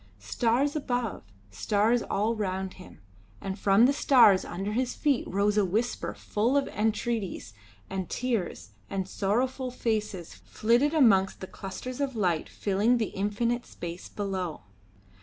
Stars above, stars all round him; and from the stars under his feet rose a whisper full of entreaties and tears, and sorrowful faces flitted amongst the clusters of light filling the infinite space below.